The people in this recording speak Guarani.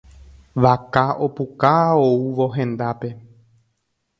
Vaka opuka oúvo hendápe.